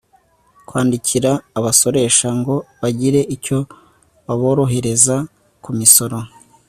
kwandikira abasoresha ngo bagire icyo baborohereza ku misoro